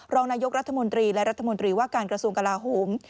รองนายกรัฐมนตรีและรัฐมนตรีว่าการกระทรวงกลาโหม